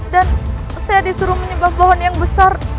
dan saya disuruh menyebah pohon yang besar